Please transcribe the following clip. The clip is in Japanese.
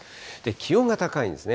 気温が高いんですね。